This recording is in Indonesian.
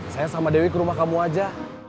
saya sama dewi ke rumah kamu aja